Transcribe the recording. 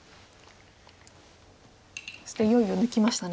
そしていよいよ抜きましたね。